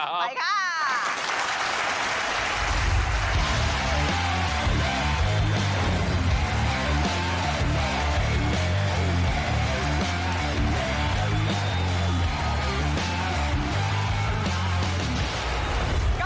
ไปค่ะ